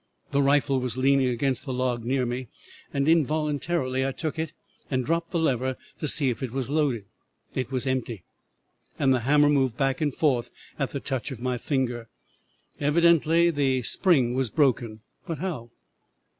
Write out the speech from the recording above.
The rifle was leaning against the log near me, and involuntarily I took it and dropped the lever to see if it was loaded. It was empty, and the hammer moved back and forth at the touch of my finger. Evidently the spring was broken. But how?